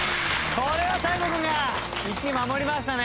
これは大光君が１位守りましたね。